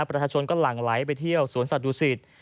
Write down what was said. ประชาชนก็หลั่งไหลไปเที่ยวสวนสัตว์ดูสิต